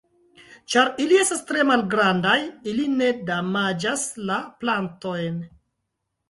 Ĉar ili esta tre malgrandaj ili ne damaĝas la plantojn.